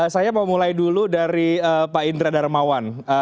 saya mau mulai dulu dari pak indra darmawan